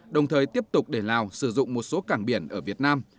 đồng thời tiếp tục để lào sử dụng một số cảng biển ở việt nam